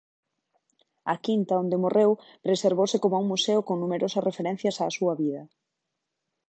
A "Quinta" onde morreu preservouse coma un museo con numerosas referencias á súa vida.